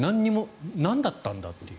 なんだったんだという。